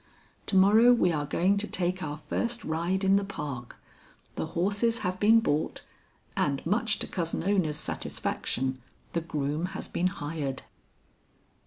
To morrow we are going to take our first ride in the park. The horses have been bought, and much to Cousin Ona's satisfaction, the groom has been hired."